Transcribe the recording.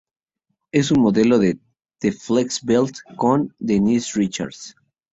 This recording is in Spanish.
Ella es un modelo de The Flex Belt con Denise Richards.